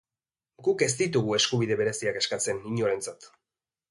Guk ez ditugu eskubide bereziak eskatzen, inorentzat.